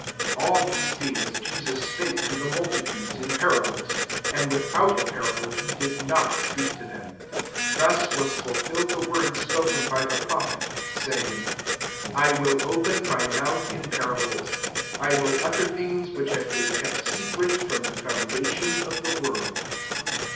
34 All these things Jesus spake to the multitudes in para bles ; and without a parable he did not speak to them : 35 thus was fulfilled the word spoken by the prophet, saying, *' I will open my mouth in parables ; I will utter things, which have been kept secret from the foun dation of the world."